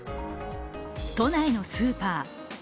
都内のスーパー。